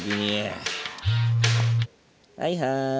はいはい。